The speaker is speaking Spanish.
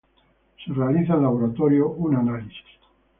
Se realiza en laboratorio un análisis.